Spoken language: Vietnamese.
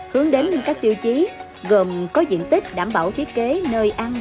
hướng đến các tiêu chí gồm có diện tích đảm bảo thiết kế nơi ăn